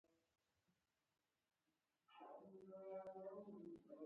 د وګړو شمېر یې په دوه زره شپږم کال د سرشمېرنې له مخې و.